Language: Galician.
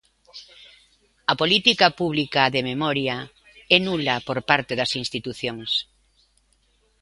A política pública de memoria é nula por parte das institucións.